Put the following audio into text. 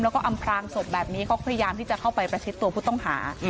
แล้วก็อำพลางศพแบบนี้เขาพยายามที่จะเข้าไปประชิดตัวผู้ต้องหา